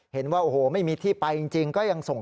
เห็นว่าโอ้โหไม่มีที่ไปจริง